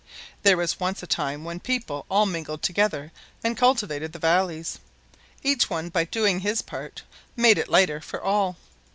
There was once a time when people all mingled together and cultivated the valleys. Each one by doing his part made it lighter for all.